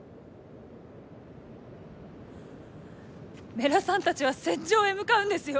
米良さんたちは戦場へ向かうんですよ。